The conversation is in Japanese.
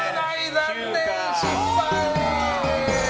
残念、失敗！